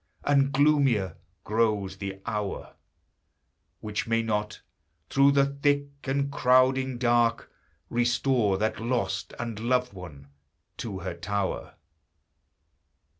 And gloomier grows the hour Which may not, through the thick and crowding dark, Restore that lost and loved one to her tower.